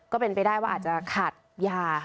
ก็เป็นไปได้ว่าอาจจะขาดยา